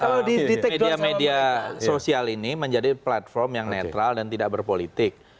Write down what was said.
kalau di media media sosial ini menjadi platform yang netral dan tidak berpolitik